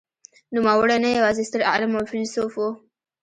نوموړی نه یوازې ستر عالم او فیلسوف و.